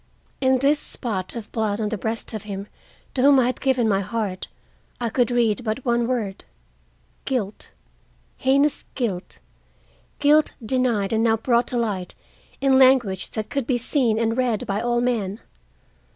In this spot of blood on the breast of him to whom I had given my heart I could read but one word—guilt—heinous guilt, guilt denied and now brought to light in language that could be seen and read by all men.